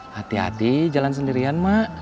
hati hati jalan sendirian mak